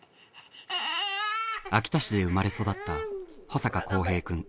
秋田市で生まれ育った保坂幸平くん。